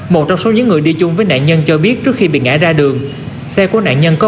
một trong số những người đi chung với nạn nhân cho biết trước khi bị ngã ra đường xe của nạn nhân có